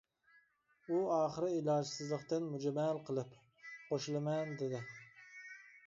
ئۇ ئاخىرى ئىلاجسىزلىقتىن مۈجمەل قىلىپ:-قوشۇلىمەن، -دېدى.